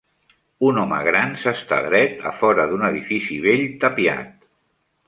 Un home gran s'està dret a fora d'un edifici vell tapiat.